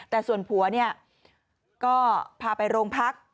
แต่ส่วนผัวเนี่ยก็พาไปโรงพัก